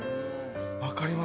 分かりますね。